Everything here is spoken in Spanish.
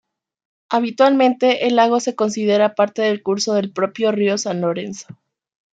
Habitualmente el lago se considera parte del curso del propio río San Lorenzo.